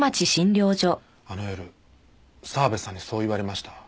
あの夜澤部さんにそう言われました。